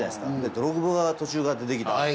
ドログバが途中から出てきた。